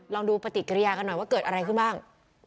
ลองดูปฏิกิริยากันหน่อยว่าเกิดอะไรขึ้นบ้าง